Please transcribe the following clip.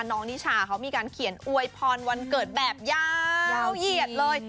นิชาเขามีการเขียนอวยพรวันเกิดแบบยาวเหยียดเลย